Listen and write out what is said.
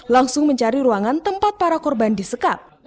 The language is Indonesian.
langsung mencari ruangan tempat para korban disekap